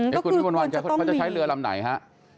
คุณบรรวัยเขาจะใช้เรือลำไหนคะ